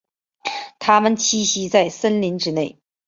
它们栖息在森林之内。